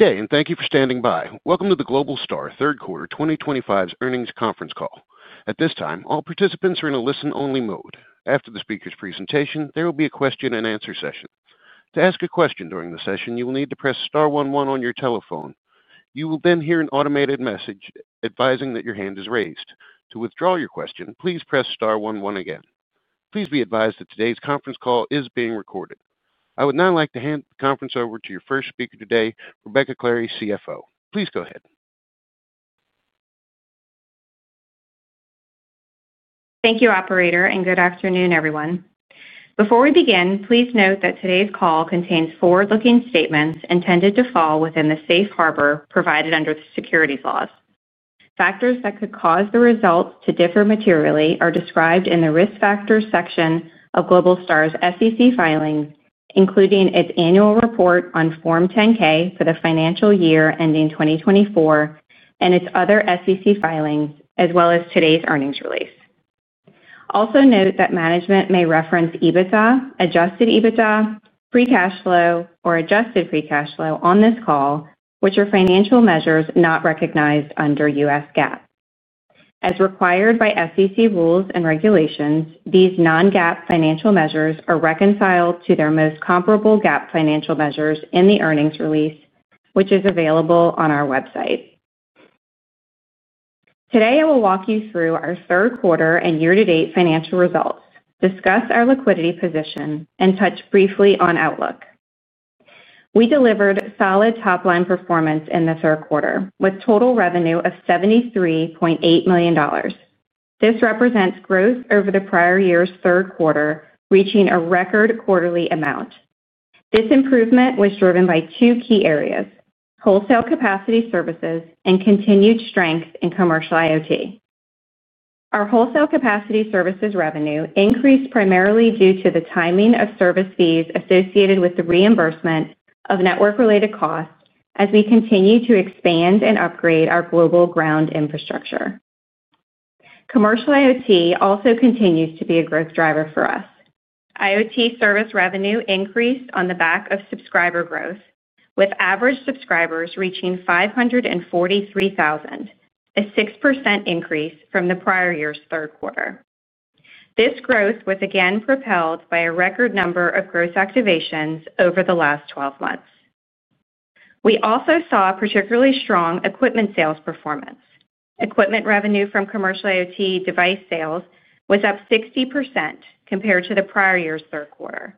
Good day, and thank you for standing by. Welcome to the Globalstar Third Quarter 2025 earnings conference call. At this time, all participants are in a listen-only mode. After the speaker's presentation, there will be a question-and-answer session. To ask a question during the session, you will need to press star one one on your telephone. You will then hear an automated message advising that your hand is raised. To withdraw your question, please press star one one again. Please be advised that today's conference call is being recorded. I would now like to hand the conference over to your first speaker today, Rebecca Clary, CFO. Please go ahead. Thank you, Operator, and good afternoon, everyone. Before we begin, please note that today's call contains forward-looking statements intended to fall within the safe harbor provided under the securities laws. Factors that could cause the results to differ materially are described in the risk factors section of Globalstar's SEC filings, including its annual report on Form 10-K for the financial year ending 2024 and its other SEC filings, as well as today's earnings release. Also note that management may reference EBITDA, adjusted EBITDA, free cash flow, or adjusted free cash flow on this call, which are financial measures not recognized under U.S. GAAP. As required by SEC rules and regulations, these non-GAAP financial measures are reconciled to their most comparable GAAP financial measures in the earnings release, which is available on our website. Today, I will walk you through our third quarter and year-to-date financial results, discuss our liquidity position, and touch briefly on outlook. We delivered solid top-line performance in the third quarter, with total revenue of $73.8 million. This represents growth over the prior year's third quarter, reaching a record quarterly amount. This improvement was driven by two key areas: wholesale capacity services and continued strength in commercial IoT. Our wholesale capacity services revenue increased primarily due to the timing of service fees associated with the reimbursement of network-related costs as we continue to expand and upgrade our global ground infrastructure. Commercial IoT also continues to be a growth driver for us. IoT service revenue increased on the back of subscriber growth, with average subscribers reaching 543,000, a 6% increase from the prior year's third quarter. This growth was again propelled by a record number of growth activations over the last 12 months. We also saw particularly strong equipment sales performance. Equipment revenue from commercial IoT device sales was up 60% compared to the prior year's third quarter.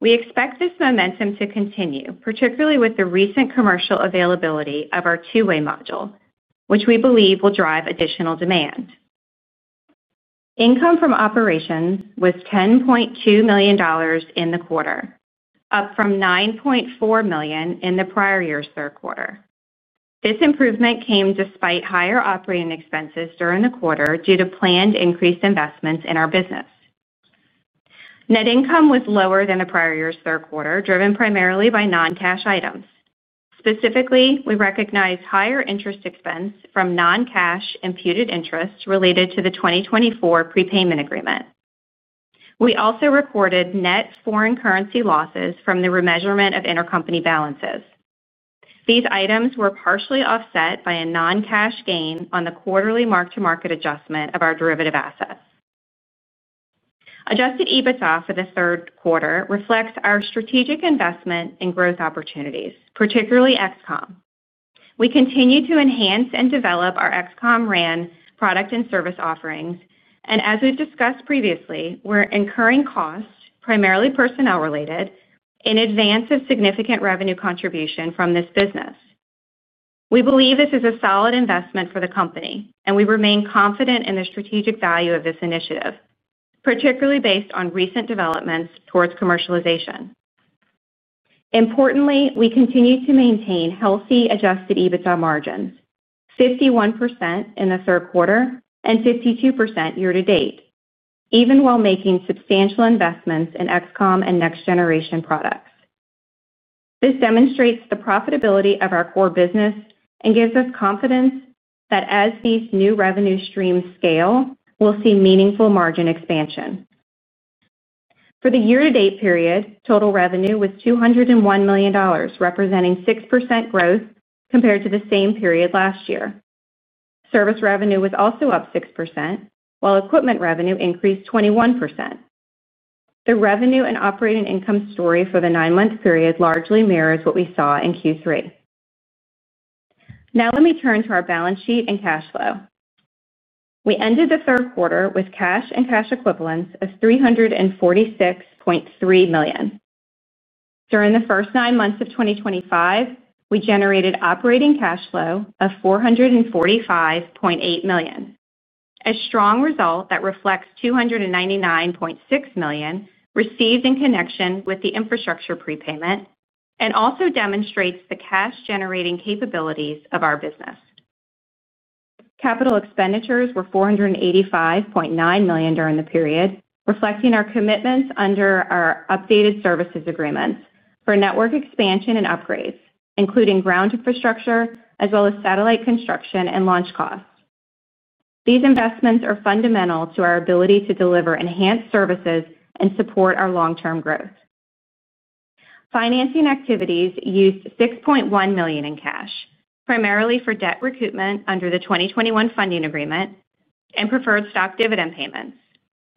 We expect this momentum to continue, particularly with the recent commercial availability of our two-way module, which we believe will drive additional demand. Income from operations was $10.2 million in the quarter, up from $9.4 million in the prior year's third quarter. This improvement came despite higher operating expenses during the quarter due to planned increased investments in our business. Net income was lower than the prior year's third quarter, driven primarily by non-cash items. Specifically, we recognized higher interest expense from non-cash imputed interest related to the 2024 prepayment agreement. We also recorded net foreign currency losses from the remeasurement of intercompany balances. These items were partially offset by a non-cash gain on the quarterly mark-to-market adjustment of our derivative assets. Adjusted EBITDA for the third quarter reflects our strategic investment in growth opportunities, particularly XCOM. We continue to enhance and develop our XCOM RAN product and service offerings, and as we've discussed previously, we're incurring costs, primarily personnel-related, in advance of significant revenue contribution from this business. We believe this is a solid investment for the company, and we remain confident in the strategic value of this initiative, particularly based on recent developments towards commercialization. Importantly, we continue to maintain healthy adjusted EBITDA margins: 51% in the third quarter and 52% year-to-date, even while making substantial investments in XCOM and Next Generation products. This demonstrates the profitability of our core business and gives us confidence that as these new revenue streams scale, we'll see meaningful margin expansion. For the year-to-date period, total revenue was $201 million, representing 6% growth compared to the same period last year. Service revenue was also up 6%, while equipment revenue increased 21%. The revenue and operating income story for the nine-month period largely mirrors what we saw in Q3. Now, let me turn to our balance sheet and cash flow. We ended the third quarter with cash and cash equivalents of $346.3 million. During the first nine months of 2025, we generated operating cash flow of $445.8 million, a strong result that reflects $299.6 million received in connection with the infrastructure prepayment and also demonstrates the cash-generating capabilities of our business. Capital expenditures were $485.9 million during the period, reflecting our commitments under our updated services agreements for network expansion and upgrades, including ground infrastructure as well as satellite construction and launch costs. These investments are fundamental to our ability to deliver enhanced services and support our long-term growth. Financing activities used $6.1 million in cash, primarily for debt recoupment under the 2021 funding agreement and preferred stock dividend payments,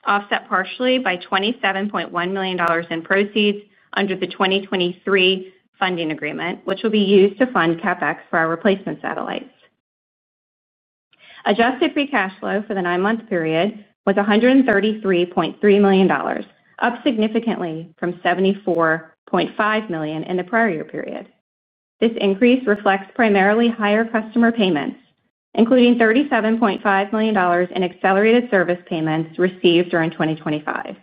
offset partially by $27.1 million in proceeds under the 2023 funding agreement, which will be used to fund CapEx for our replacement satellites. Adjusted free cash flow for the nine-month period was $133.3 million, up significantly from $74.5 million in the prior year period. This increase reflects primarily higher customer payments, including $37.5 million in accelerated service payments received during 2025.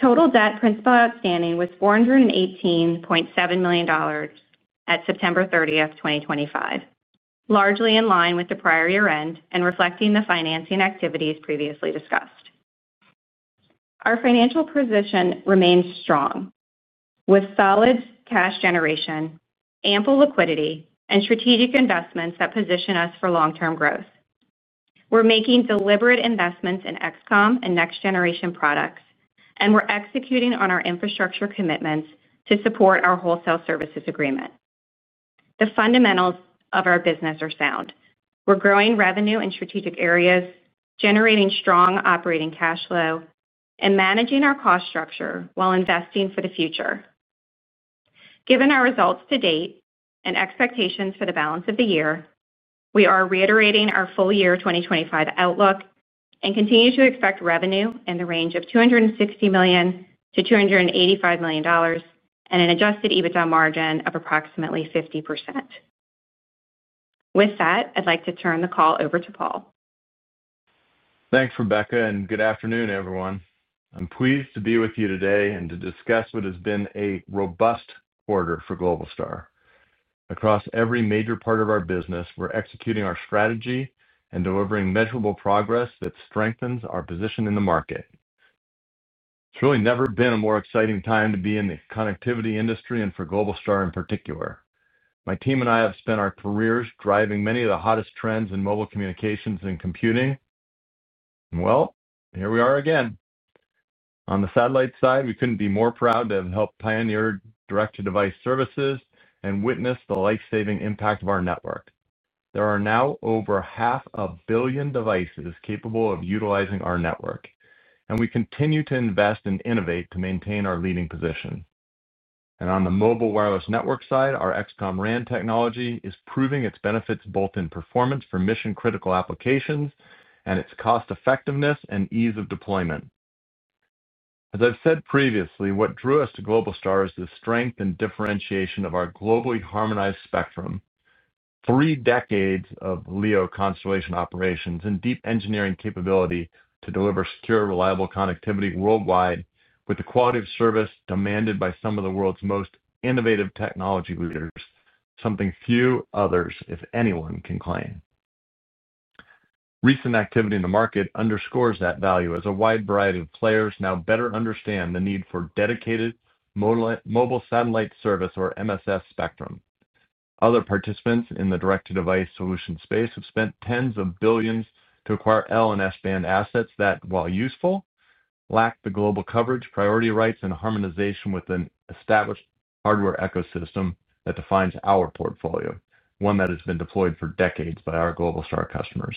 Total debt principal outstanding was $418.7 million at September 30, 2025, largely in line with the prior year end and reflecting the financing activities previously discussed. Our financial position remains strong, with solid cash generation, ample liquidity, and strategic investments that position us for long-term growth. We're making deliberate investments in XCOM and Next Generation products, and we're executing on our infrastructure commitments to support our wholesale services agreement. The fundamentals of our business are sound. We're growing revenue in strategic areas, generating strong operating cash flow, and managing our cost structure while investing for the future. Given our results to date and expectations for the balance of the year, we are reiterating our full year 2025 outlook and continue to expect revenue in the range of $260 million-$285 million and an adjusted EBITDA margin of approximately 50%. With that, I'd like to turn the call over to Paul. Thanks, Rebecca, and good afternoon, everyone. I'm pleased to be with you today and to discuss what has been a robust quarter for Globalstar. Across every major part of our business, we're executing our strategy and delivering measurable progress that strengthens our position in the market. It's really never been a more exciting time to be in the connectivity industry and for Globalstar in particular. My team and I have spent our careers driving many of the hottest trends in mobile communications and computing. Here we are again. On the satellite side, we couldn't be more proud to have helped pioneer direct-to-device services and witness the lifesaving impact of our network. There are now over half a billion devices capable of utilizing our network, and we continue to invest and innovate to maintain our leading position. On the mobile wireless network side, our XCOM RAN technology is proving its benefits both in performance for mission-critical applications and its cost-effectiveness and ease of deployment. As I've said previously, what drew us to Globalstar is the strength and differentiation of our globally harmonized spectrum. Three decades of Leo constellation operations and deep engineering capability to deliver secure, reliable connectivity worldwide with the quality of service demanded by some of the world's most innovative technology leaders, something few others, if anyone, can claim. Recent activity in the market underscores that value as a wide variety of players now better understand the need for dedicated mobile satellite service or MSS spectrum. Other participants in the direct-to-device solution space have spent tens of billions to acquire L and S-band assets that, while useful, lack the global coverage, priority rights, and harmonization with an established hardware ecosystem that defines our portfolio, one that has been deployed for decades by our Globalstar customers.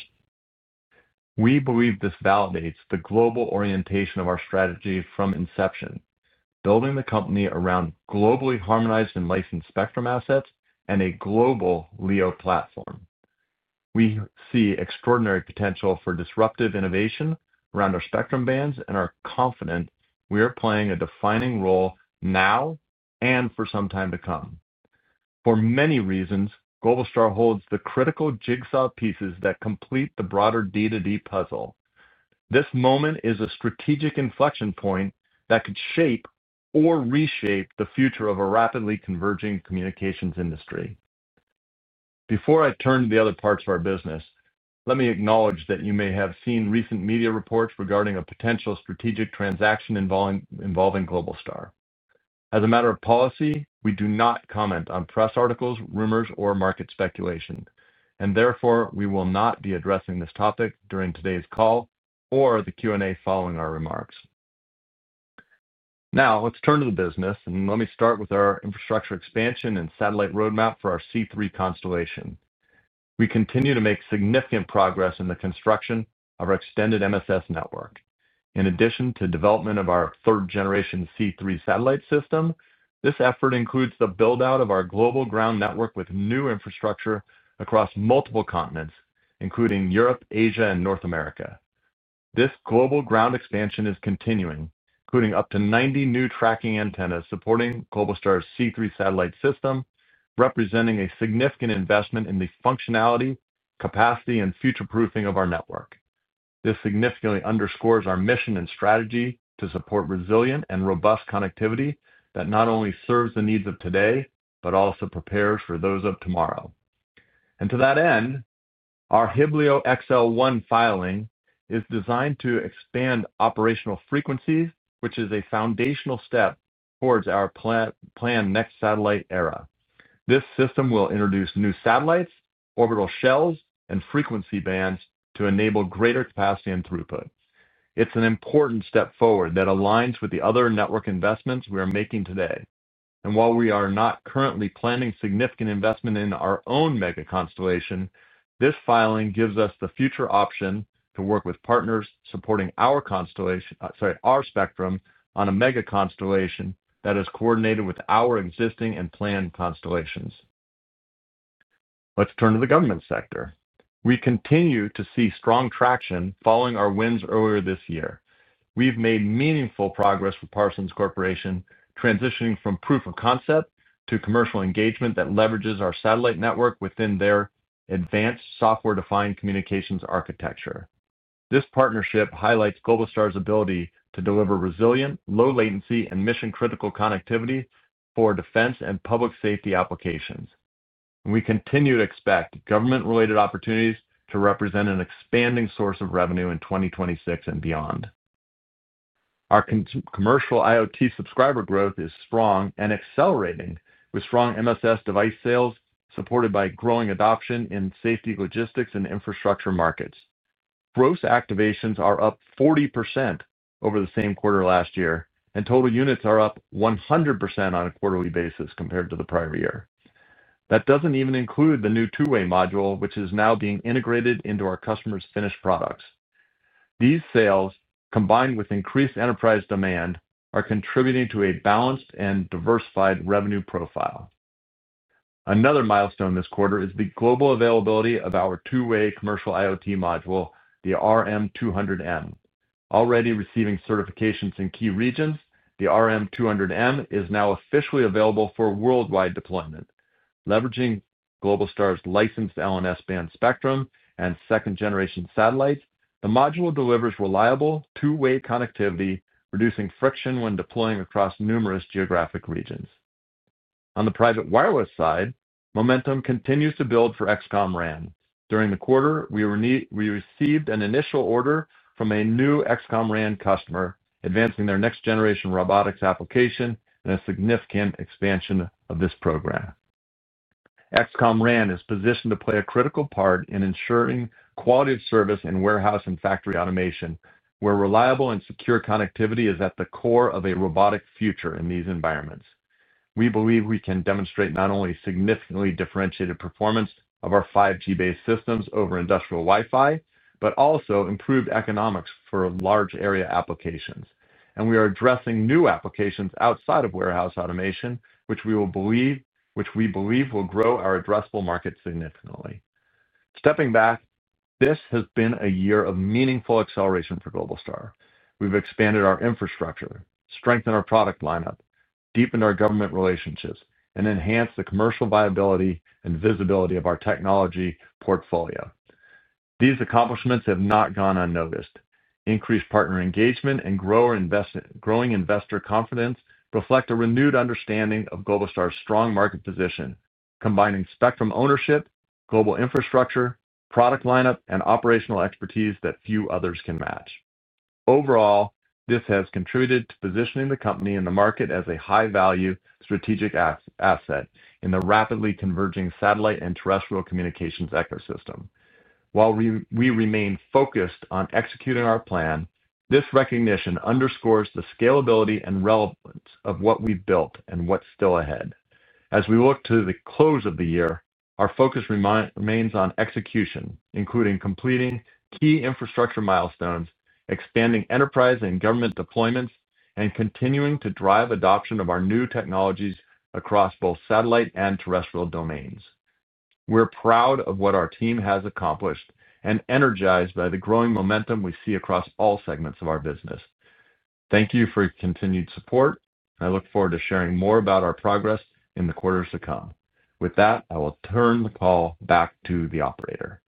We believe this validates the global orientation of our strategy from inception, building the company around globally harmonized and licensed spectrum assets and a global Leo platform. We see extraordinary potential for disruptive innovation around our spectrum bands, and are confident we are playing a defining role now and for some time to come. For many reasons, Globalstar holds the critical jigsaw pieces that complete the broader D2D puzzle. This moment is a strategic inflection point that could shape or reshape the future of a rapidly converging communications industry. Before I turn to the other parts of our business, let me acknowledge that you may have seen recent media reports regarding a potential strategic transaction involving Globalstar. As a matter of policy, we do not comment on press articles, rumors, or market speculation, and therefore, we will not be addressing this topic during today's call or the Q&A following our remarks. Now, let's turn to the business, and let me start with our infrastructure expansion and satellite roadmap for our C3 constellation. We continue to make significant progress in the construction of our extended MSS network. In addition to development of our third-generation C3 satellite system, this effort includes the build-out of our global ground network with new infrastructure across multiple continents, including Europe, Asia, and North America. This global ground expansion is continuing, including up to 90 new tracking antennas supporting Globalstar's C3 satellite system, representing a significant investment in the functionality, capacity, and future-proofing of our network. This significantly underscores our mission and strategy to support resilient and robust connectivity that not only serves the needs of today but also prepares for those of tomorrow. To that end, our Hiblio XL1 filing is designed to expand operational frequencies, which is a foundational step towards our planned next satellite era. This system will introduce new satellites, orbital shells, and frequency bands to enable greater capacity and throughput. It is an important step forward that aligns with the other network investments we are making today. While we are not currently planning significant investment in our own mega constellation, this filing gives us the future option to work with partners supporting our spectrum on a mega constellation that is coordinated with our existing and planned constellations. Let's turn to the government sector. We continue to see strong traction following our wins earlier this year. We have made meaningful progress with Parsons Corporation, transitioning from proof of concept to commercial engagement that leverages our satellite network within their advanced software-defined communications architecture. This partnership highlights Globalstar's ability to deliver resilient, low-latency, and mission-critical connectivity for defense and public safety applications. We continue to expect government-related opportunities to represent an expanding source of revenue in 2026 and beyond. Our commercial IoT subscriber growth is strong and accelerating with strong MSS device sales supported by growing adoption in safety, logistics, and infrastructure markets. Gross activations are up 40% over the same quarter last year, and total units are up 100% on a quarterly basis compared to the prior year. That doesn't even include the new two-way module, which is now being integrated into our customers' finished products. These sales, combined with increased enterprise demand, are contributing to a balanced and diversified revenue profile. Another milestone this quarter is the global availability of our two-way commercial IoT module, the RM200M. Already receiving certifications in key regions, the RM200M is now officially available for worldwide deployment. Leveraging Globalstar's licensed L- and S-band spectrum and second-generation satellites, the module delivers reliable two-way connectivity, reducing friction when deploying across numerous geographic regions. On the private wireless side, momentum continues to build for XCOM RAN. During the quarter, we received an initial order from a new XCOM RAN customer advancing their next-generation robotics application and a significant expansion of this program. XCOM RAN is positioned to play a critical part in ensuring quality of service in warehouse and factory automation, where reliable and secure connectivity is at the core of a robotic future in these environments. We believe we can demonstrate not only significantly differentiated performance of our 5G-based systems over industrial Wi-Fi, but also improved economics for large area applications. We are addressing new applications outside of warehouse automation, which we believe will grow our addressable market significantly. Stepping back, this has been a year of meaningful acceleration for Globalstar. We've expanded our infrastructure, strengthened our product lineup, deepened our government relationships, and enhanced the commercial viability and visibility of our technology portfolio. These accomplishments have not gone unnoticed. Increased partner engagement and growing investor confidence reflect a renewed understanding of Globalstar's strong market position, combining spectrum ownership, global infrastructure, product lineup, and operational expertise that few others can match. Overall, this has contributed to positioning the company in the market as a high-value strategic asset in the rapidly converging satellite and terrestrial communications ecosystem. While we remain focused on executing our plan, this recognition underscores the scalability and relevance of what we've built and what's still ahead. As we look to the close of the year, our focus remains on execution, including completing key infrastructure milestones, expanding enterprise and government deployments, and continuing to drive adoption of our new technologies across both satellite and terrestrial domains. We're proud of what our team has accomplished and energized by the growing momentum we see across all segments of our business. Thank you for your continued support, and I look forward to sharing more about our progress in the quarters to come. With that, I will turn the call back to the operator.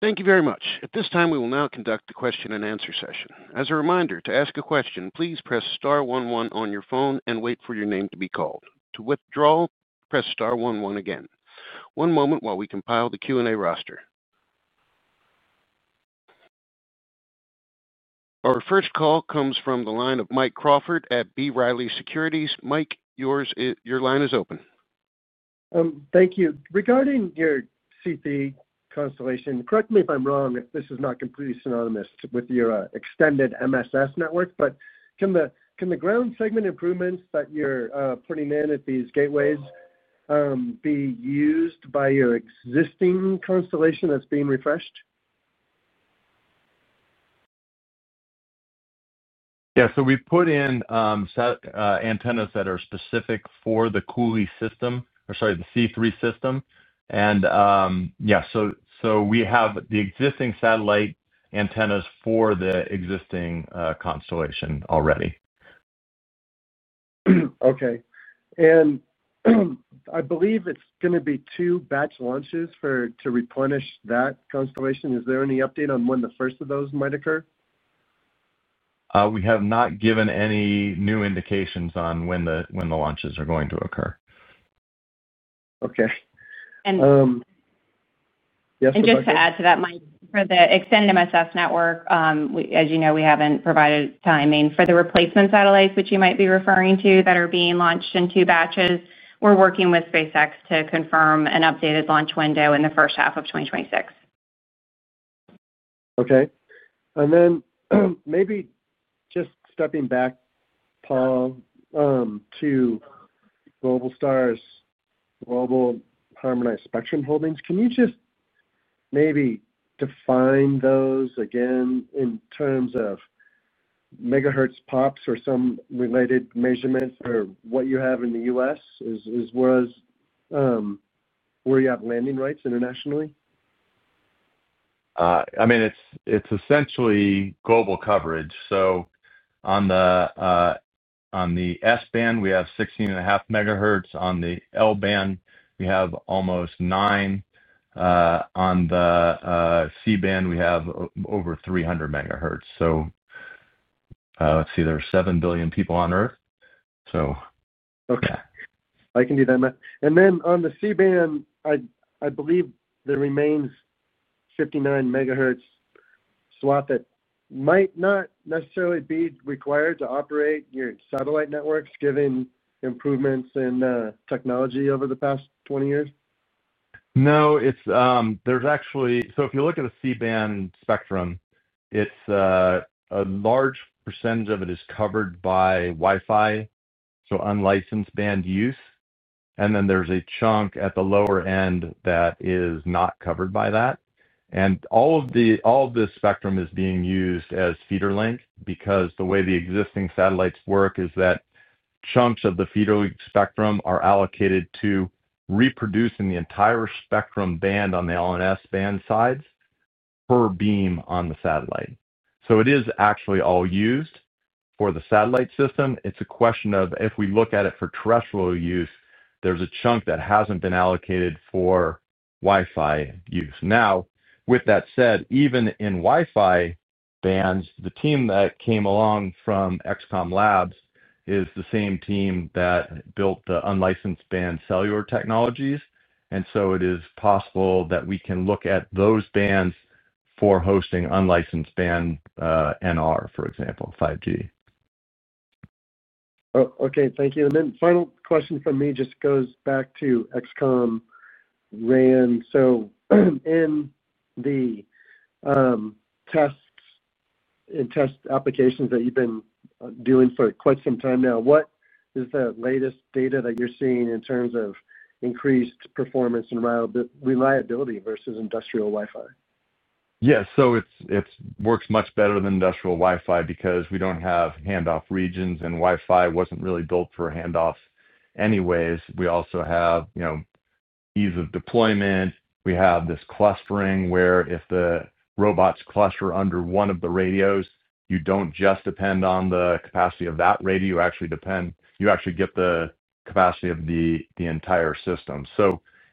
Thank you very much. At this time, we will now conduct the question-and-answer session. As a reminder, to ask a question, please press star one one on your phone and wait for your name to be called. To withdraw, press star one one again. One moment while we compile the Q&A roster. Our first call comes from the line of Mike Crawford at B. Riley Securities. Mike, your line is open. Thank you. Regarding your C3 constellation, correct me if I'm wrong if this is not completely synonymous with your extended MSS network, but can the ground segment improvements that you're putting in at these gateways be used by your existing constellation that's being refreshed? Yeah. So we put in antennas that are specific for the C3 system. And yeah, so we have the existing satellite antennas for the existing constellation already. Okay. I believe it's going to be two batch launches to replenish that constellation. Is there any update on when the first of those might occur? We have not given any new indications on when the launches are going to occur. Okay. Just to add to that, Mike, for the extended MSS network, as you know, we haven't provided timing. For the replacement satellites, which you might be referring to, that are being launched in two batches, we're working with SpaceX to confirm an updated launch window in the first half of 2026. Okay. Maybe just stepping back, Paul, to Globalstar's global harmonized spectrum holdings, can you just maybe define those again in terms of megahertz pops or some related measurements or what you have in the U.S. as well as where you have landing rights internationally? I mean, it's essentially global coverage. So on the S-band, we have 16.5 megahertz. On the L-band, we have almost 9. On the C-band, we have over 300 MHz. Let's see, there are 7 billion people on Earth. Okay. I can do that. Then on the C-band, I believe there remains a 59 MHz slot that might not necessarily be required to operate your satellite networks given improvements in technology over the past 20 years? No. If you look at a C-band spectrum, a large percentage of it is covered by Wi-Fi, so unlicensed band use. There is a chunk at the lower end that is not covered by that. All of this spectrum is being used as feeder link because the way the existing satellites work is that chunks of the feeder spectrum are allocated to reproduce the entire spectrum band on the L-band and S-band sides per beam on the satellite. It is actually all used for the satellite system. It is a question of if we look at it for terrestrial use, there is a chunk that has not been allocated for Wi-Fi use. With that said, even in Wi-Fi bands, the team that came along from XCOM Labs is the same team that built the unlicensed band cellular technologies. It is possible that we can look at those bands for hosting unlicensed band NR, for example, 5G. Okay. Thank you. Final question from me just goes back to XCOM RAN. In the tests and test applications that you've been doing for quite some time now, what is the latest data that you're seeing in terms of increased performance and reliability versus industrial Wi-Fi? Yes. It works much better than industrial Wi-Fi because we do not have handoff regions, and Wi-Fi was not really built for handoffs anyways. We also have ease of deployment. We have this clustering where if the robots cluster under one of the radios, you do not just depend on the capacity of that radio. You actually get the capacity of the entire system.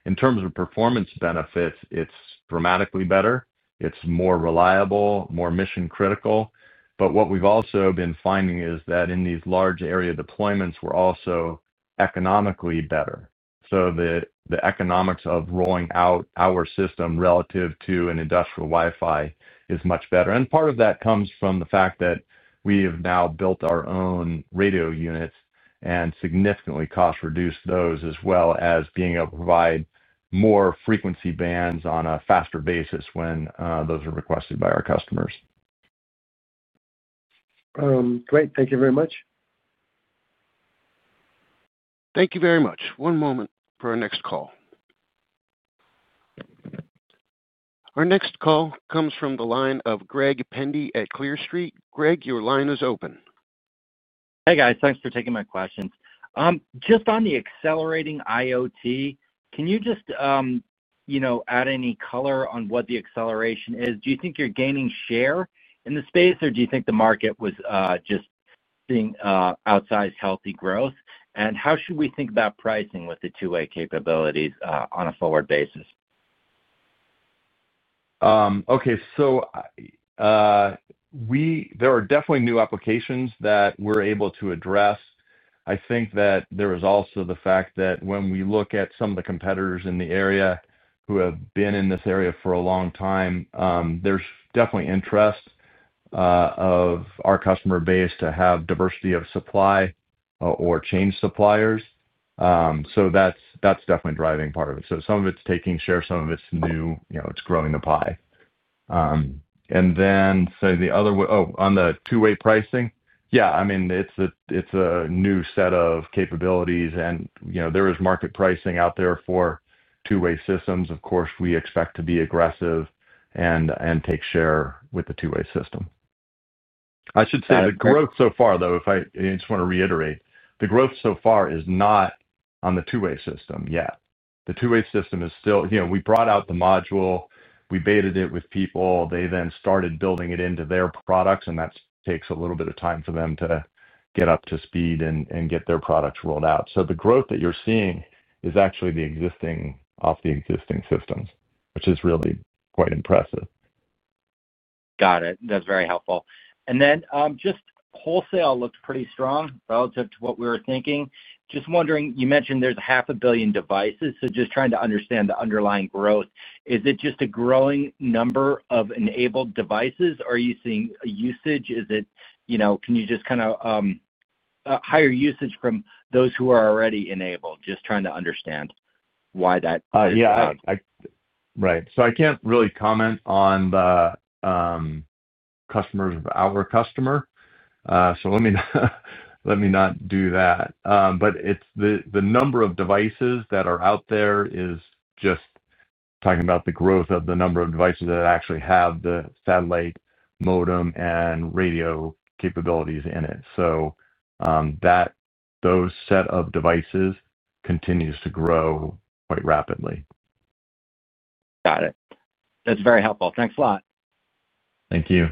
In terms of performance benefits, it is dramatically better. It is more reliable, more mission-critical. What we have also been finding is that in these large area deployments, we are also economically better. The economics of rolling out our system relative to an industrial Wi-Fi is much better. Part of that comes from the fact that we have now built our own radio units and significantly cost-reduced those, as well as being able to provide more frequency bands on a faster basis when those are requested by our customers. Great. Thank you very much. Thank you very much. One moment for our next call. Our next call comes from the line of Greg Pendy at Clear Street. Greg, your line is open. Hey, guys. Thanks for taking my questions. Just on the accelerating IoT, can you just add any color on what the acceleration is? Do you think you're gaining share in the space, or do you think the market was just outsized healthy growth? How should we think about pricing with the two-way capabilities on a forward basis? Okay. There are definitely new applications that we're able to address. I think that there is also the fact that when we look at some of the competitors in the area who have been in this area for a long time, there's definitely interest of our customer base to have diversity of supply or change suppliers. That's definitely a driving part of it. Some of it's taking share, some of it's new, it's growing the pie. The other way, oh, on the two-way pricing, yeah, I mean, it's a new set of capabilities, and there is market pricing out there for two-way systems. Of course, we expect to be aggressive and take share with the two-way system. I should say the growth so far, though, I just want to reiterate, the growth so far is not on the two-way system yet. The two-way system is still we brought out the module, we baited it with people, they then started building it into their products, and that takes a little bit of time for them to get up to speed and get their products rolled out. The growth that you're seeing is actually off the existing systems, which is really quite impressive. Got it. That's very helpful. Wholesale looks pretty strong relative to what we were thinking. Just wondering, you mentioned there's 500,000,000 devices, so just trying to understand the underlying growth. Is it just a growing number of enabled devices? Are you seeing usage? Can you just kind of, higher usage from those who are already enabled? Just trying to understand why that. Yeah. Right. I can't really comment on the customers of our customer. Let me not do that. The number of devices that are out there is just talking about the growth of the number of devices that actually have the satellite modem and radio capabilities in it. Those set of devices continues to grow quite rapidly. Got it. That's very helpful. Thanks a lot. Thank you.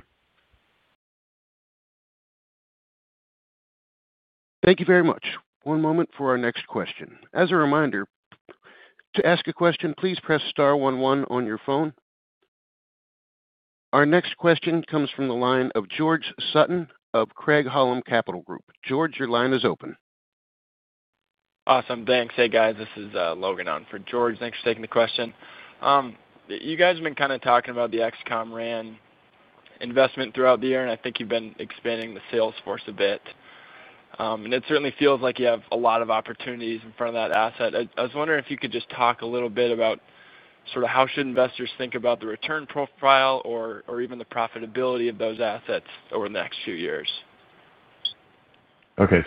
Thank you very much. One moment for our next question. As a reminder, to ask a question, please press star one one on your phone. Our next question comes from the line of George Sutton of Craig Holland Capital Group. George, your line is open. Awesome. Thanks. Hey, guys. This is Logan on for George. Thanks for taking the question. You guys have been kind of talking about the XCOM RAN investment throughout the year, and I think you've been expanding the sales force a bit. It certainly feels like you have a lot of opportunities in front of that asset. I was wondering if you could just talk a little bit about sort of how should investors think about the return profile or even the profitability of those assets over the next few years. Okay.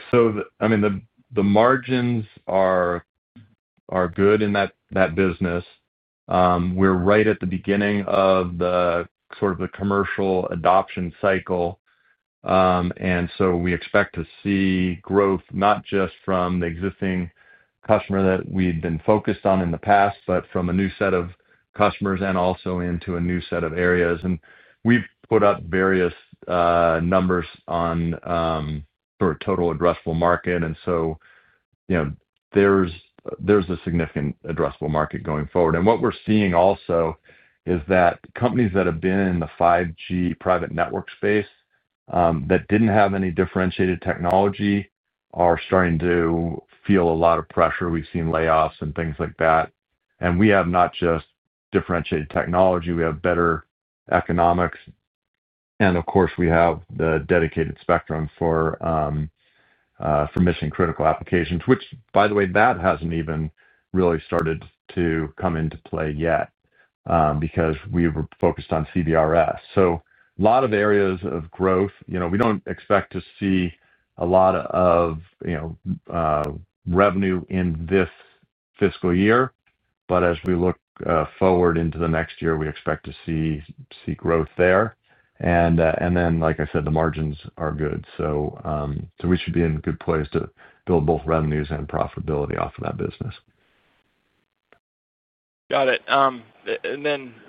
I mean, the margins are good in that business. We're right at the beginning of sort of the commercial adoption cycle. We expect to see growth not just from the existing customer that we've been focused on in the past, but from a new set of customers and also into a new set of areas. We've put up various numbers on sort of total addressable market. There's a significant addressable market going forward. What we're seeing also is that companies that have been in the 5G private network space that didn't have any differentiated technology are starting to feel a lot of pressure. We've seen layoffs and things like that. We have not just differentiated technology. We have better economics. Of course, we have the dedicated spectrum for. Mission-critical applications, which, by the way, that has not even really started to come into play yet because we were focused on CBRS. A lot of areas of growth. We do not expect to see a lot of revenue in this fiscal year. As we look forward into the next year, we expect to see growth there. Like I said, the margins are good. We should be in good place to build both revenues and profitability off of that business. Got it.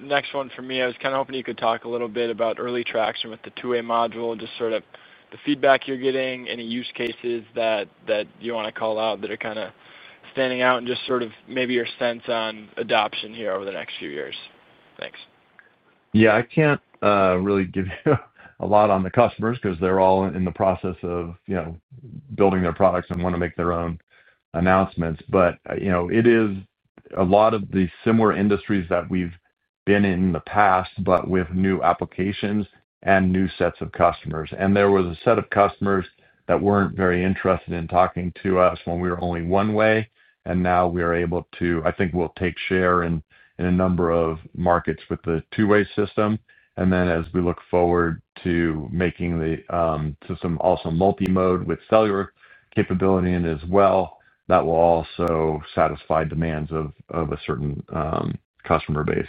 Next one for me, I was kind of hoping you could talk a little bit about early traction with the two-way module and just sort of the feedback you're getting, any use cases that you want to call out that are kind of standing out and just sort of maybe your sense on adoption here over the next few years. Thanks. Yeah. I can't really give you a lot on the customers because they're all in the process of building their products and want to make their own announcements. It is a lot of the similar industries that we've been in the past, but with new applications and new sets of customers. There was a set of customers that weren't very interested in talking to us when we were only one-way. Now we are able to, I think we'll take share in a number of markets with the two-way system. As we look forward to making the system also multi-mode with cellular capability in as well, that will also satisfy demands of a certain customer base.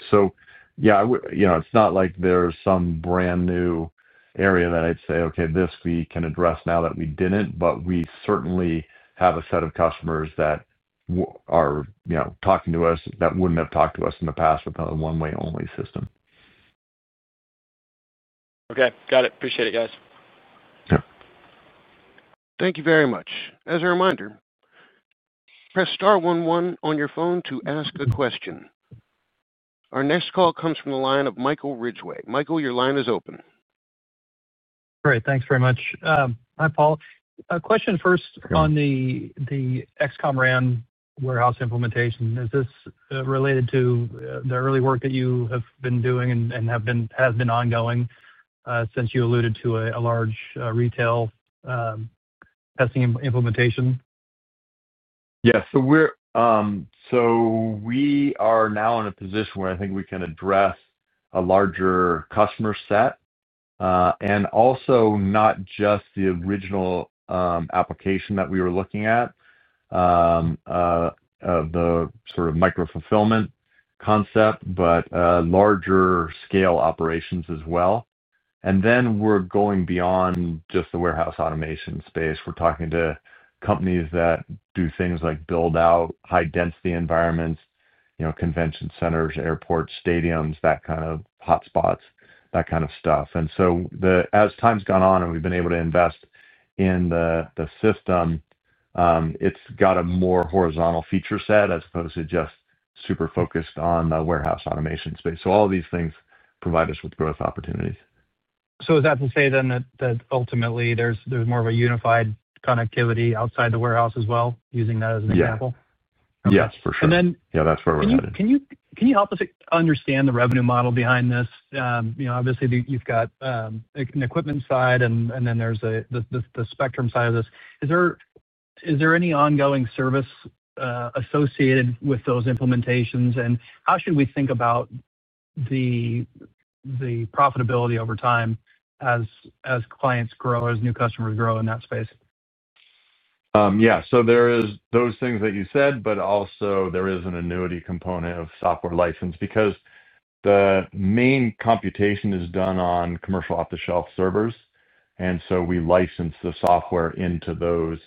Yeah, it's not like there's some brand new area that I'd say, "Okay, this we can address now that we didn't." But we certainly have a set of customers that are talking to us that wouldn't have talked to us in the past with a one-way-only system. Okay. Got it. Appreciate it, guys. Yeah. Thank you very much. As a reminder, press star one one on your phone to ask a question. Our next call comes from the line of Michael Ridgeway. Michael, your line is open. Great. Thanks very much. Hi, Paul. A question first on the XCOM RAN warehouse implementation. Is this related to the early work that you have been doing and has been ongoing since you alluded to a large retail testing implementation? Yeah. We are now in a position where I think we can address a larger customer set. Also, not just the original application that we were looking at, the sort of micro-fulfillment concept, but larger scale operations as well. We are going beyond just the warehouse automation space. We are talking to companies that do things like build-out high-density environments, convention centers, airports, stadiums, that kind of hotspots, that kind of stuff. As time has gone on and we have been able to invest in the system, it has got a more horizontal feature set as opposed to just super focused on the warehouse automation space. All of these things provide us with growth opportunities. Is that to say then that ultimately there's more of a unified connectivity outside the warehouse as well, using that as an example? Yeah. Yes, for sure. Yeah, that's where we're headed. Can you help us understand the revenue model behind this? Obviously, you've got an equipment side, and then there's the spectrum side of this. Is there any ongoing service associated with those implementations? And how should we think about the profitability over time as clients grow, as new customers grow in that space? Yeah. So there are those things that you said, but also there is an annuity component of software license because the main computation is done on commercial off-the-shelf servers. And so we license the software into those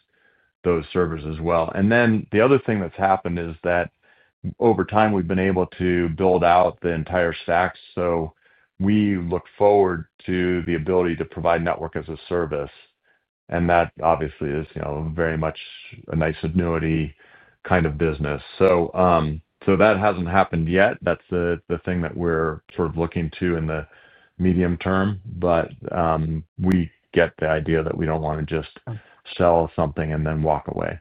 servers as well. Then the other thing that's happened is that over time, we've been able to build out the entire stack. We look forward to the ability to provide network as a service. That obviously is very much a nice annuity kind of business. That hasn't happened yet. That's the thing that we're sort of looking to in the medium term. We get the idea that we don't want to just sell something and then walk away.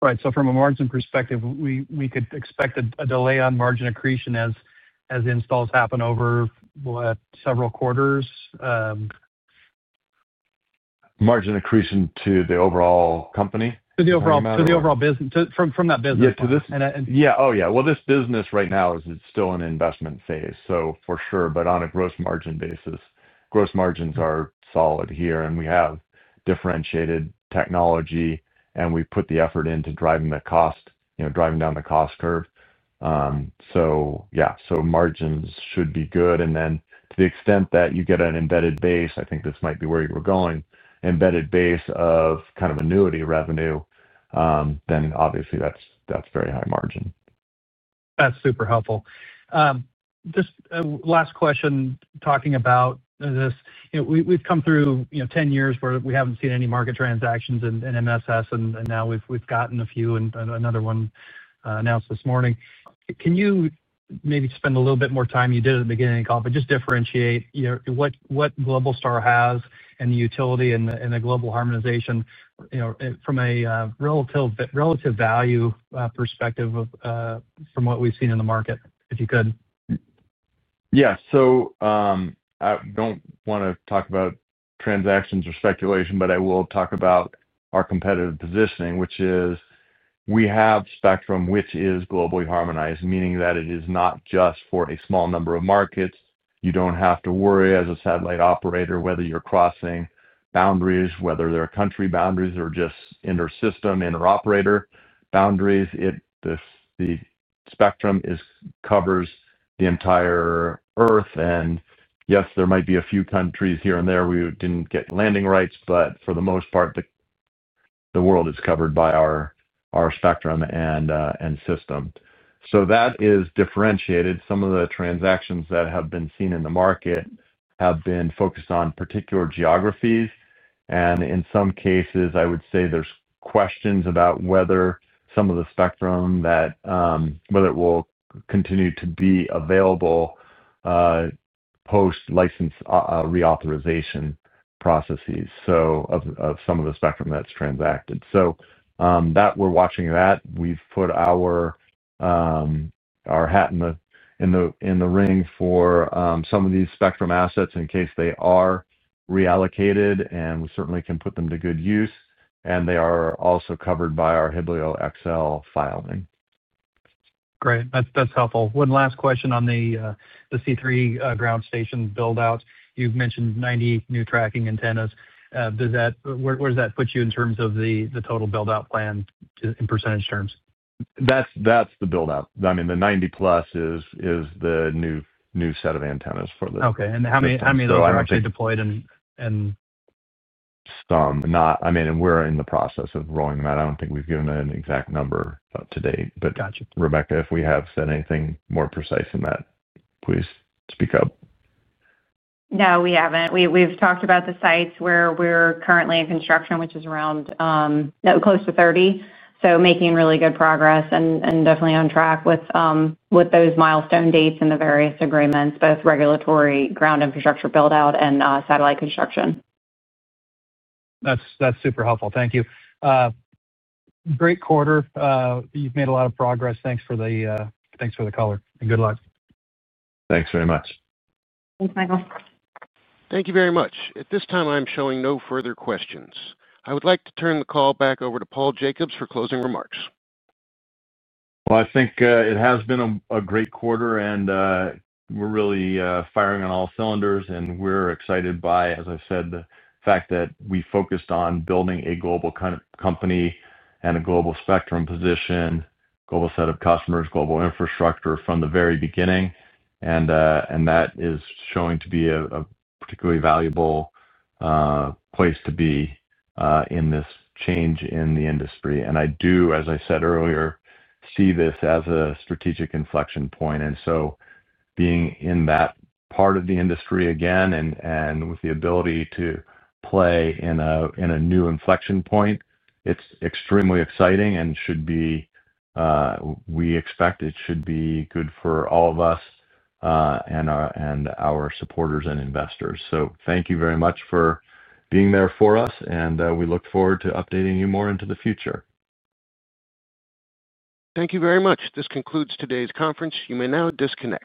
Right. So from a margin perspective, we could expect a delay on margin accretion as installs happen over, what, several quarters? Margin accretion to the overall company. To the overall business. From that business. Yeah. Oh, yeah. This business right now is still in an investment phase, so for sure. On a gross margin basis, gross margins are solid here. We have differentiated technology, and we put the effort into driving the cost, driving down the cost curve. Yeah, margins should be good. To the extent that you get an embedded base, I think this might be where you were going, embedded base of kind of annuity revenue, then obviously that is very high margin. That's super helpful. Just last question, talking about this. We've come through 10 years where we haven't seen any market transactions in MSS, and now we've gotten a few, and another one announced this morning. Can you maybe spend a little bit more time? You did it at the beginning of the call, but just differentiate what Globalstar has and the utility and the global harmonization. From a relative value perspective from what we've seen in the market, if you could. Yeah. I do not want to talk about transactions or speculation, but I will talk about our competitive positioning, which is we have spectrum, which is globally harmonized, meaning that it is not just for a small number of markets. You do not have to worry as a satellite operator whether you are crossing boundaries, whether they are country boundaries or just inner system, inner operator boundaries. The spectrum covers the entire Earth. Yes, there might be a few countries here and there where we did not get landing rights, but for the most part, the world is covered by our spectrum and system. That is differentiated. Some of the transactions that have been seen in the market have been focused on particular geographies. In some cases, I would say there are questions about whether some of the spectrum, whether it will continue to be available. Post-license reauthorization processes, so of some of the spectrum that's transacted. We're watching that. We've put our hat in the ring for some of these spectrum assets in case they are reallocated, and we certainly can put them to good use. They are also covered by our Hiblio XL1 filing. Great. That's helpful. One last question on the C3 ground station build-out. You've mentioned 90 new tracking antennas. Where does that put you in terms of the total build-out plan in percentage terms? That's the build-out. I mean, the 90-plus is the new set of antennas for this. Okay. How many of those are actually deployed? Some. I mean, we're in the process of rolling them out. I don't think we've given an exact number up to date. Rebecca, if we have said anything more precise than that, please speak up. No, we haven't. We've talked about the sites where we're currently in construction, which is around, close to 30. Making really good progress and definitely on track with those milestone dates and the various agreements, both regulatory, ground infrastructure build-out, and satellite construction. That's super helpful. Thank you. Great quarter. You've made a lot of progress. Thanks for the call, and good luck. Thanks very much. Thanks, Michael. Thank you very much. At this time, I'm showing no further questions. I would like to turn the call back over to Paul Jacobs for closing remarks. I think it has been a great quarter, and we're really firing on all cylinders. We're excited by, as I said, the fact that we focused on building a global company and a global spectrum position. Global set of customers, global infrastructure from the very beginning. That is showing to be a particularly valuable place to be in this change in the industry. I do, as I said earlier, see this as a strategic inflection point. Being in that part of the industry again and with the ability to play in a new inflection point, it's extremely exciting and should be. We expect it should be good for all of us and our supporters and investors. Thank you very much for being there for us, and we look forward to updating you more into the future. Thank you very much. This concludes today's conference. You may now disconnect.